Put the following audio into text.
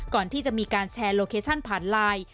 ก่อนที่จะมีการแชร์โลเคชั่นผ่านไลน์